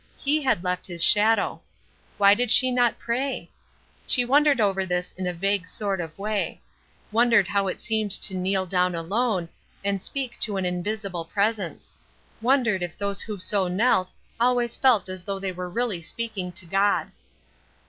he had left his shadow. Why did she not pray? She wondered over this in a vague sort of way; wondered how it seemed to kneel down alone, and speak to an invisible presence; wondered if those who so knelt always felt as though they were really speaking to God.